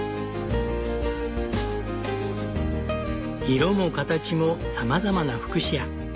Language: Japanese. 色も形もさまざまなフクシア。